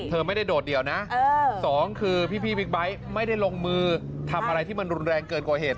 เธอไม่ได้โดดเดี่ยวนะสองคือพี่บิ๊กไบท์ไม่ได้ลงมือทำอะไรที่มันรุนแรงเกินกว่าเหตุ